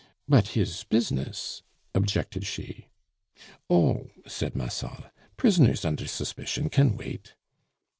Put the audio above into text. "But his business " objected she. "Oh!" said Massol, "prisoners under suspicion can wait."